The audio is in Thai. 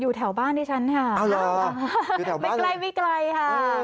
อยู่แถวบ้านด้วยฉันค่ะไม่ไกลค่ะ